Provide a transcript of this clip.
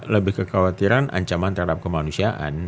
lebih kekhawatiran ancaman terhadap kemanusiaan